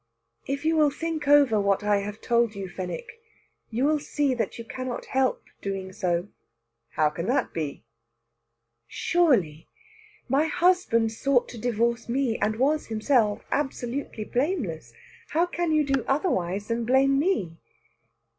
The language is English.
"If you will think over what I have told you, Fenwick, you will see that you cannot help doing so." "How can that be?" "Surely! My husband sought to divorce me, and was himself absolutely blameless. How can you do otherwise than blame me?"